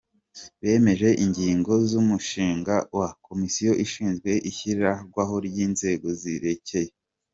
bemeje ingingo z’umushinga wa Komisiyo ishinzwe ishyirwaho ry’inzego zerekeye